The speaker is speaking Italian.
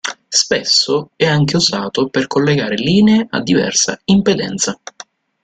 Spesso è anche usato per collegare linee a diversa impedenza.